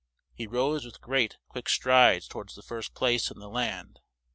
He rose with great, quick strides towards the first place in the land.